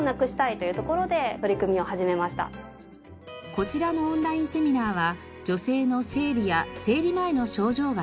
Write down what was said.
こちらのオンラインセミナーは女性の生理や生理前の症状がテーマ。